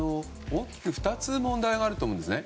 大きく２つ問題があると思うんですね。